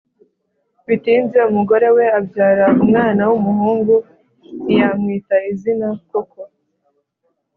bitinze umugore we abyara umwana w'umuhungu ntiyamwita izina koko.